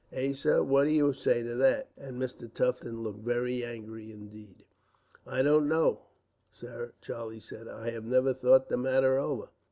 Eh, sir, what do you say to that?" and Mr. Tufton looked very angry, indeed. "I don't know, sir," Charlie said. "I have never thought the matter over."